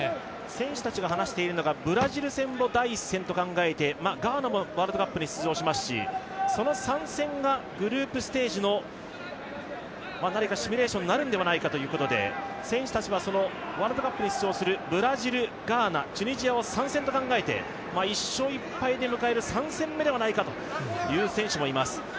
選手たちが話しているのがブラジル戦を第一戦と考えてガーナもワールドカップに出場しますしその３戦がグループステージのシミュレーションになるのではないかということで選手たちは、ワールドカップに出場するブラジル、ガーナ、チュニジアと考えて１勝１敗で迎える３戦目ではないかと言う選手もいます。